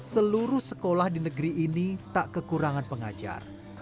seluruh sekolah di negeri ini tak kekurangan pengajar